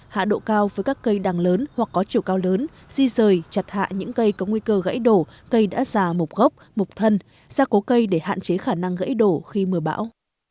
hạ độ cao với các cây đằng lớn hoặc có chiều cao lớn di rời chặt hạ những cây có nguy cơ gãy đổ cây đã già một gốc một thân ra cố cây để hạn chế khả năng gãy đổ khi mưa bão